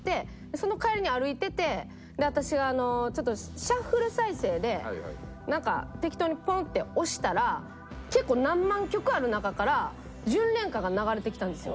その帰りに歩いてて私がシャッフル再生でなんか適当にポンッて押したら結構何万曲ある中から『純恋歌』が流れてきたんですよ。